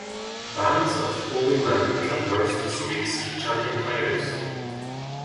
Bands of holy men traverse the streets chanting prayers.